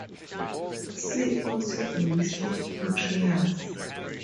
See also a list of portrayals.